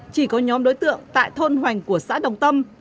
chỉ có nhóm đối tượng tại thôn hoành của xã đồng tâm